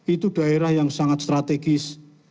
itu daerah yang sangat strategis